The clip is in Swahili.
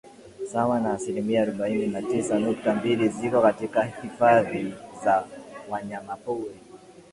sawa na asilimia arobaini na tisa nukta mbili ziko katika Hifadhi za wanyamapori